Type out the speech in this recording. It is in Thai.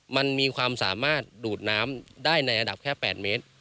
มันมีความสามารถดูดน้ำได้ในระดับแค่๘เมตร